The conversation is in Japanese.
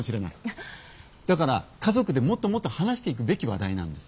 だから家族でもっともっと話していくべき話題なんです。